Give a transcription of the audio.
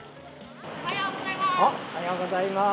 おはようございます。